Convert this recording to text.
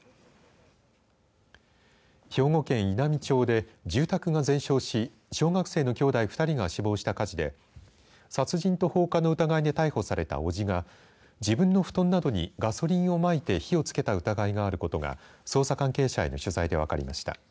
兵庫県稲美町で住宅が全焼し、小学生の兄弟２人が死亡した火事で殺人と放火の疑いで逮捕された伯父が自分の布団などにガソリンをまいて火をつけた疑いがあることが捜査関係者への取材で分かりました。